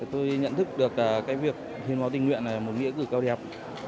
tôi nhận thức được cái việc hiến máu tình nguyện là một nghĩa cử cao đẹp